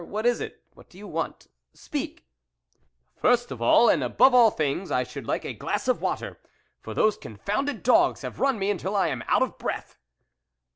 What is it ? What do you want ? Speak !" "First of all, and above all things, I should like a glass of water, for those con founded dogs have run me until I am out of breath."